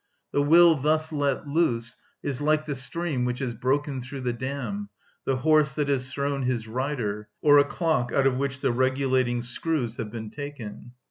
The will thus let loose is like the stream which has broken through the dam, the horse that has thrown his rider, or a clock out of which the regulating screws have been taken.